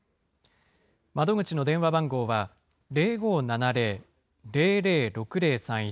窓口の電話番号は、０５７０ー００６０３１。